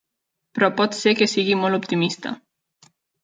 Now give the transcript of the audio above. Però pot ser que sigui molt optimista.